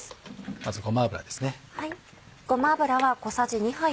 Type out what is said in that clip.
まずごま油です。